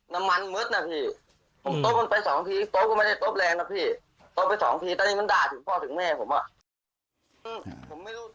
น้ำมันมืดนะพี่ผมโต๊ะมันไปสองทีโต๊ะก็ไม่ได้โต๊ะแรงนะพี่โต๊ะไปสองทีตอนนี้มันด่าถึงพ่อถึงแม่ผมอ่ะ